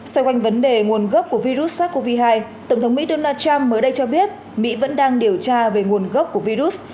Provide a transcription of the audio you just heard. xoay quanh vấn đề nguồn gốc của virus sars cov hai tổng thống mỹ donald trump mới đây cho biết mỹ vẫn đang điều tra về nguồn gốc của virus